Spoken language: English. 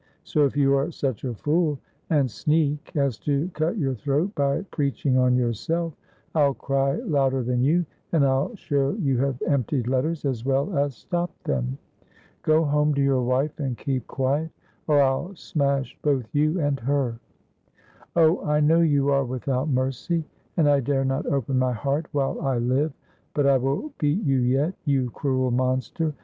So if you are such a fool and sneak as to cut your throat by peaching on yourself, I'll cry louder than you, and I'll show you have emptied letters as well as stopped them. Go home to your wife, and keep quiet, or I'll smash both you and her." "Oh, I know you are without mercy, and I dare not open my heart while I live; but I will beat you yet, you cruel monster.